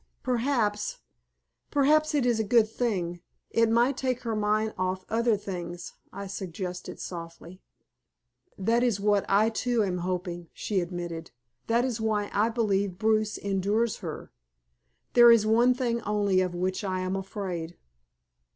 "Perhaps perhaps it is a good thing. It might take her mind off other things," I suggested, softly. "That is what I too am hoping," she admitted. "That is why I believe Bruce endures her. There is one thing only of which I am afraid."